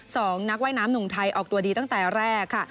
สองนักว่ายน้ำหนุ่มไทยออกตัวดีตั้งแต่แรกค่ะ